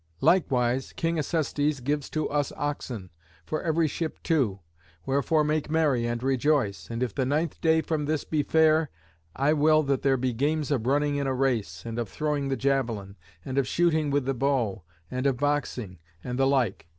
Likewise, King Acestes gives to us oxen, for every ship two: wherefore make merry and rejoice. And if the ninth day from this be fair, I will that there be games of running in a race, and of throwing the javelin, and of shooting with the bow, and of boxing, and the like.